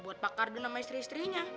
buat pak kardun sama istri istrinya